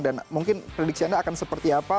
dan mungkin prediksi anda akan seperti apa